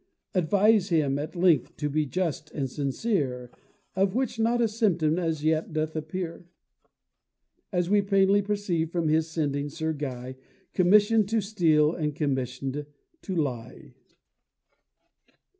Advise him, at length to be just and sincere, Of which not a symptom as yet doth appear; As we plainly perceive from his sending Sir Guy, Commission'd to steal, and commission'd to lie.